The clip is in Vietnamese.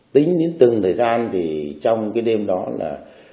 tính đến từng thời gian thì trong cái đêm đó là